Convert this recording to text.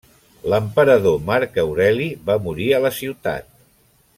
L'emperador Marc Aureli va morir a la ciutat.